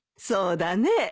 そうだね。